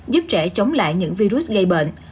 giúp trẻ chống lại những virus gây bệnh